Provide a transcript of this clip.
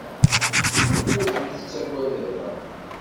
Maɣef ur tent-tettaǧǧad ara?